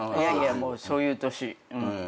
もうそういう年。